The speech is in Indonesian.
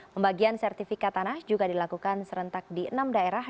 pembagian sertifikat tanah juga dilakukan serentak di enam daerah